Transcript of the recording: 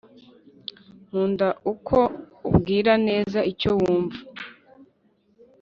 nkunda uko umbwira neza icyo wumva